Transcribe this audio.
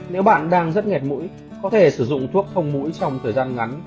nếu bạn đang rất nghẹt mũi có thể sử dụng thuốc không mũi trong thời gian ngắn